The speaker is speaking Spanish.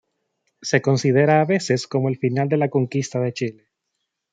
Se considera a veces como el final de la Conquista de Chile.